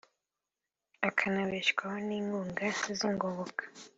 akanabenshwaho n’inkunga z’ingoboka